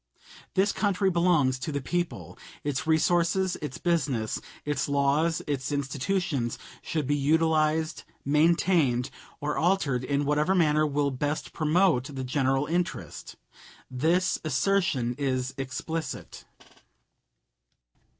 ... This country belongs to the people. Its resources, its business, its laws, its institutions, should be utilized, maintained, or altered in whatever manner will best promote the general interest." This assertion is explicit.